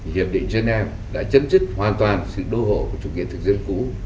hiệp định geneva đã chấm dứt hoàn toàn sự đô hộ của chủ nghĩa thực dân cũ